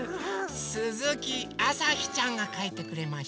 すずきあさひちゃんがかいてくれました。